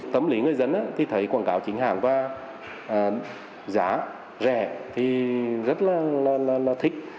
tâm lý người dân thấy quảng cáo chính hàng và giá rẻ rất thích